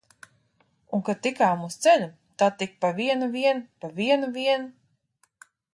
Un kad tikām uz ceļa, tad tik pa vienu vien, pa vienu vien!